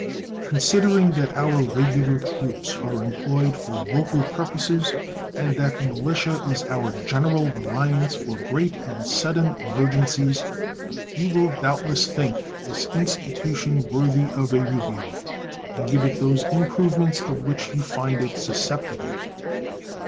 Considering that our regular troops are employed for local purposes, and that the militia is our general reliance for great and sudden emergencies, you will doubtless think this institution worthy of a review, and give it those improvements of which you find it susceptible.